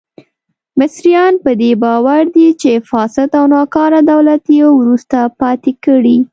مصریان په دې باور دي چې فاسد او ناکاره دولت یې وروسته پاتې کړي.